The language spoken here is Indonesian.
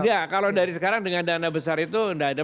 iya kalau dari sekarang dengan dana besar itu tidak ada